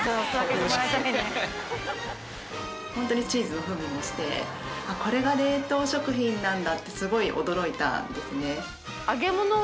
ホントにチーズの風味もして「これが冷凍食品なんだ！？」ってすごい驚いたんですね。